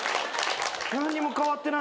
何にも変わってない。